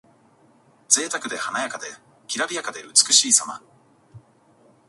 ぜいたくで華やかで、きらびやかで美しいさま。